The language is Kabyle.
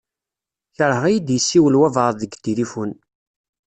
Kerheɣ ad iyi-d-yessiwel wabɛaḍ deg tilifun.